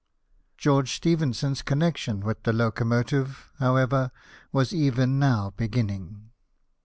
George Stephenson's connection with the locomotive, however, was even now beginning.